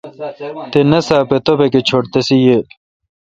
تے ناساپ اے°توبک اے چھٹ تسے°ییل۔